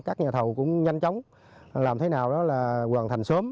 các nhà thầu cũng nhanh chóng làm thế nào đó là hoàn thành sớm